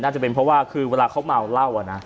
น่าจะเป็นเพราะว่าคือเวลาเขาเมาเหล้าอ่ะนะ